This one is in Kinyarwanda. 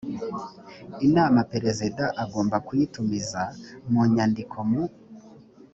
inama perezida agomba kuyitumiza mu nyandiko mu